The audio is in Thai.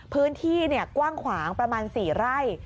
พื้นที่กว้างขวางประมาณ๔ไร่